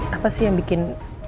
apa sih yang bikin